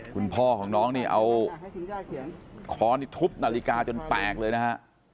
คุณพ่อของน้องนี่เอาค้อนนี่ทุบนาฬิกาจนแตกเลยนะฮะ